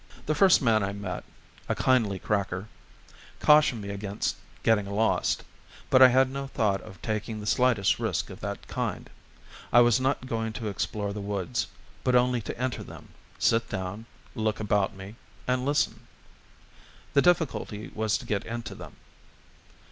The first man I met a kindly cracker cautioned me against getting lost; but I had no thought of taking the slightest risk of that kind. I was not going to explore the woods, but only to enter them, sit down, look about me, and listen. The difficulty was to get into them.